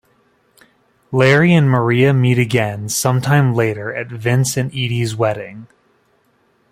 Larry and Maria meet again some time later at Vince and Edie's wedding.